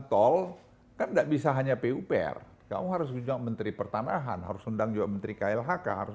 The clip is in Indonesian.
tol tak bisa hanya ppr kamu harus juga menteri pertanahan harus undang juga menteri klhk harus